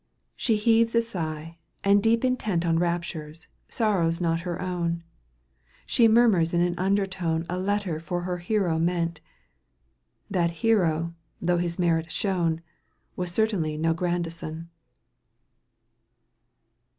She heaves a sigh and deep intent On raptures, sorrows not her own. She murmurs in an undertone A letter for her hero meant : That hero, though his merit shone, Was certainly no Grandison.